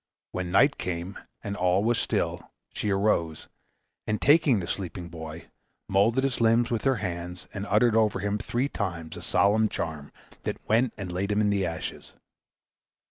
When night came and all was still, she arose, and taking the sleeping boy, moulded his limbs with her hands, and uttered over him three times a solemn charm, then went and laid him in the ashes.